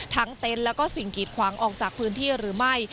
ทั้งเต็นท์และสิ่งกีดขวางออกจากพื้นที่หรือไม่